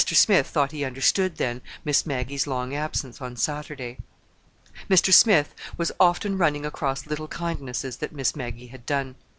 Smith thought he understood then Miss Maggie's long absence on Saturday. Mr. Smith was often running across little kindnesses that Miss Maggie had done.